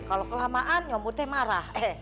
kalau kelamaan nyomotnya marah